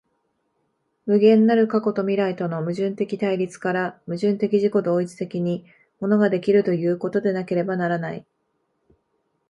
無限なる過去と未来との矛盾的対立から、矛盾的自己同一的に物が出来るということでなければならない。